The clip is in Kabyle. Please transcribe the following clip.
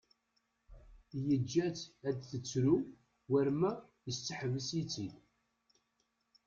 Yeǧǧa-tt ad tettru war ma yesseḥbes-itt-id.